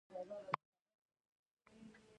پارلماني کنټرول د مالي کال په پای کې وي.